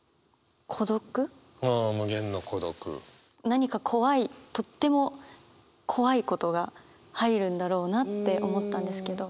何か怖いとっても怖いことが入るんだろうなって思ったんですけど。